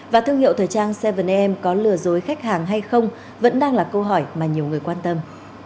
và thương hiệu thời trang cyvn am có lừa dối khách hàng hay không vẫn đang là câu hỏi mà nhiều người quan tâm